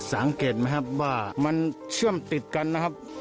สังเกตไหมครับว่ามันเชื่อมติดกันนะครับ